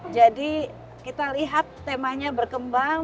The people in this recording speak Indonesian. jadi kita lihat temanya berkembang